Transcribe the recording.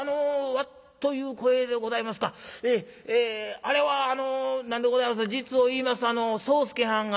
あれはあの何でございますか実を言いますと宗助はんが」。